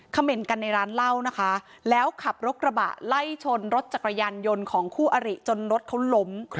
เหม็นกันในร้านเหล้านะคะแล้วขับรถกระบะไล่ชนรถจักรยานยนต์ของคู่อริจนรถเขาล้ม